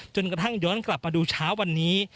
จนกระทั่งย้อนกลับมาดูเช้าวันนี้